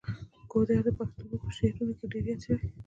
ګودر د پښتو شعرونو کې ډیر یاد شوی دی.